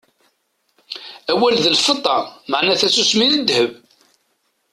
Awal d lfeṭṭa, meɛna tasusmi d ddheb.